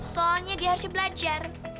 soalnya dia harus belajar